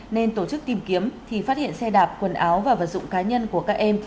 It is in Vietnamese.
nên tổ chức tìm kiếm thì phát hiện xe đạp quần áo và vật dụng cá nhân của các em